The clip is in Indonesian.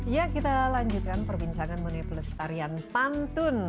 ya kita lanjutkan perbincangan mengenai pelestarian pantun